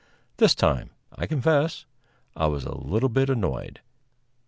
This time, I confess, I was a little bit annoyed.